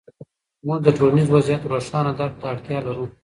موږ د ټولنیز وضعیت روښانه درک ته اړتیا لرو.